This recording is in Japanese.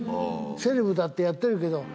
セレブだってやってるけど。